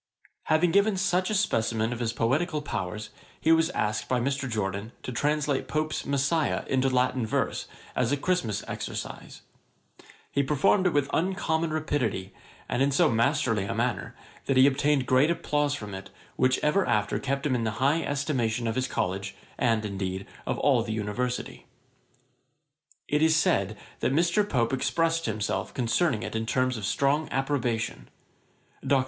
Having given such a specimen of his poetical powers, he was asked by Mr. Jorden, to translate Pope's Messiah into Latin verse, as a Christmas exercise. He performed it with uncommon rapidity, and in so masterly a manner, that he obtained great applause from it, which ever after kept him high in the estimation of his College, and, indeed, of all the University. It is said, that Mr. Pope expressed himself concerning it in terms of strong approbation. Dr.